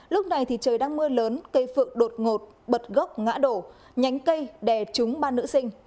lúc này thì trời đang mưa lớn cây phượng đột ngột bật gốc ngã đổ nhánh cây đè trúng ba nữ sinh